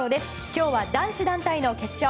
今日は男子団体の決勝。